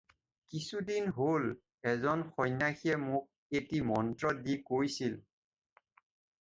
কিছুদিন হ'ল, এজন সন্ন্যাসীয়ে মোক এটি মন্ত্ৰ দি কৈছিল।